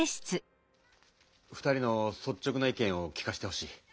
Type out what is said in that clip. ２人のそっちょくな意見を聞かしてほしい。